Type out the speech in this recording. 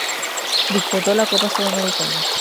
Disputó la Copa Sudamericana.